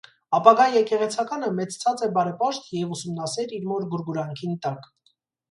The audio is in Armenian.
Ապագայ եկեղեցականը մեծցած է բարեպաշտ եւ ուսումնասէր իր մօր գուրգուրանքին տակ։